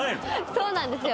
そうなんですよ。